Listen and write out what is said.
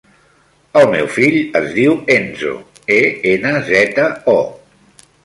El meu fill es diu Enzo: e, ena, zeta, o.